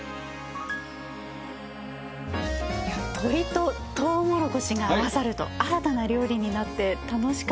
鶏ととうもろこしが合わさると新たな料理になって楽しかったです。